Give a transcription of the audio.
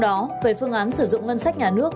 đó về phương án sử dụng ngân sách nhà nước